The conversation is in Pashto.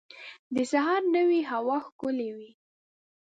د سهار نوی هوا ښکلی وي.